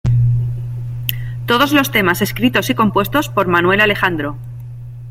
Todos los temas escritos y compuestos por Manuel Alejandro.